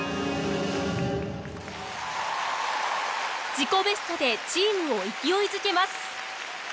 自己ベストでチームを勢い付けます。